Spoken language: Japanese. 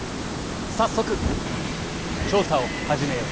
早速調査を始めよう。